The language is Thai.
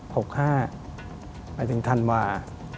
ไปถึงธันวา